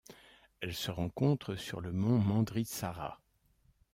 Elle se rencontre sur le mont Mandritsara.